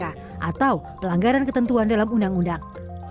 atau pelanggaran ketentuan dalam undang undang